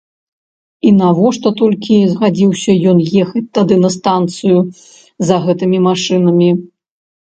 І навошта толькі згадзіўся ён ехаць тады на станцыю за гэтымі машынамі.